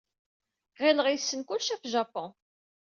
Ɣileɣ yessen kullec ɣef Japun.